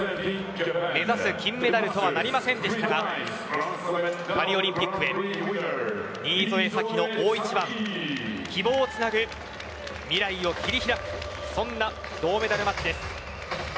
目指す金メダルとはなりませんでしたがパリオリンピックへ新添左季の大一番希望をつなぐ未来を切り開く、そんな銅メダルマッチです。